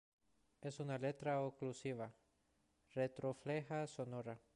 Es una letra oclusiva retrofleja sonora.